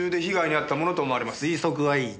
推測はいい。